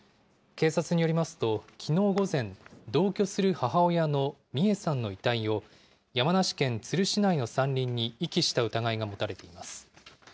警察によりますと、きのう午前、同居する母親の美惠さんの遺体を、山梨県都留市内の山林に遺棄した疑いが持たれています。